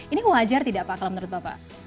ini wajar tidak pak kalau menurut bapak